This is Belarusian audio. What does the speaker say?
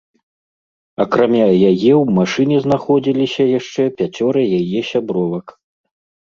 Акрамя яе ў машыне знаходзіліся яшчэ пяцёра яе сябровак.